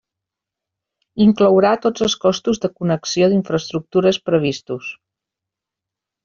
Inclourà tots els costos de connexió d'infraestructures previstos.